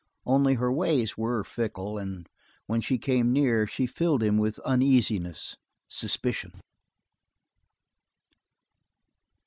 Only her ways were fickle, and when she came near, she filled him with uneasiness, suspicion.